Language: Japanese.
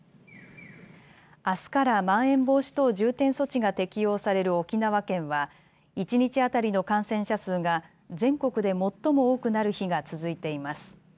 あすから、まん延防止等重点措置が適用される沖縄県は一日当たりの感染者数が全国で最も多くなる日が続いています。